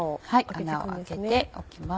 穴を開けておきます。